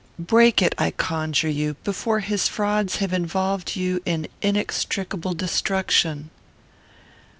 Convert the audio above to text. Break it, I conjure you, before his frauds have involved you in inextricable destruction."